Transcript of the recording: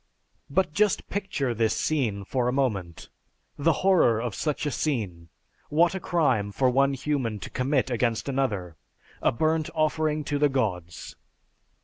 But just picture this scene for a moment! The horror of such a scene! What a crime for one human to commit against another! A burnt offering to the gods!